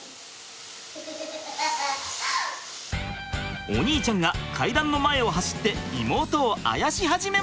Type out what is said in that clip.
お兄ちゃんが階段の前を走って妹をあやし始めました！